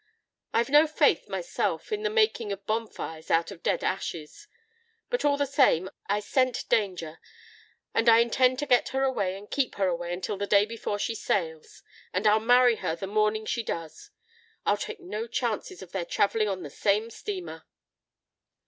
"I've no faith, myself, in the making of bonfires out of dead ashes, but all the same I scent danger and I intend to get her away and keep her away until the day before she sails; and I'll marry her the morning she does. I'll take no chances of their travelling on the same steamer."